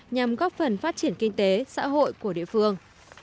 nhằm góp phần phát triển kinh tế xã hội của địa phương